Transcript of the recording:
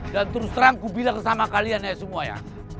dan terus terang gue bilang sama kalian ya semua ya